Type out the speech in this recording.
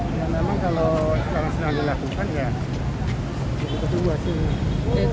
kalau sekarang senang dilakukan ya kita tunggu asing